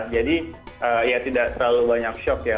jadi ya tidak terlalu banyak shock ya